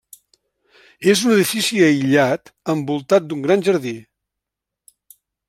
És un edifici aïllat envoltat d'un gran jardí.